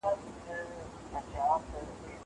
هغه څوک چي کتابونه وړي پوهه زياتوي!!